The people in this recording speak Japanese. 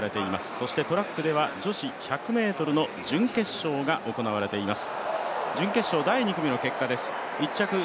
そしてトラックでは女子１００ｍの準決勝が行われています。